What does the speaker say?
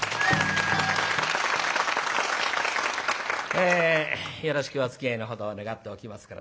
えよろしくおつきあいのほどを願っておきますけれども。